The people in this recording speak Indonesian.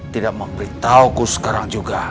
tidak memberitahuku sekarang juga